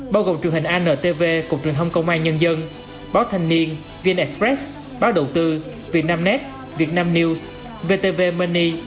bao gồm truyền hình antv cục truyền thông công an nhân dân báo thanh niên vn express báo đầu tư vietnamnet vietnam news vtv money